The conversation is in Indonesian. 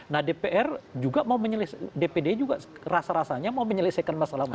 nah dpr juga mau dpd juga rasa rasanya mau menyelesaikan masalah ini